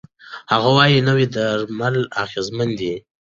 هغه وايي، نوي درمل اغېزمن دي.